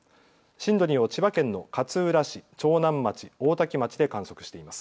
震度２を千葉県の勝浦市、長南町、大多喜町で観測しています。